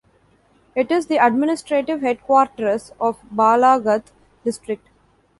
It is the administrative headquarters of Balaghat District.